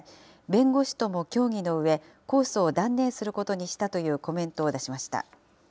弁護士とも協議のうえ、控訴を断念することにしたというコメントを出しました。